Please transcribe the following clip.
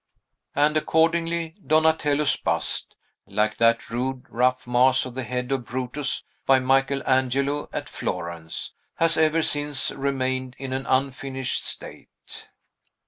And, accordingly, Donatello's bust (like that rude, rough mass of the head of Brutus, by Michael Angelo, at Florence) has ever since remained in an unfinished state.